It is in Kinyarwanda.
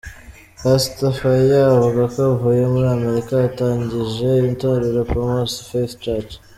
Pastor Fire avuga ko avuye muri Amerika ahatangije itorero Patmos of Faith church.